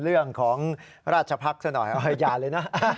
เรื่องของราชภักษ์ใช่ไหมอย่าเลยนะ